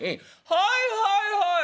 『はいはいはい！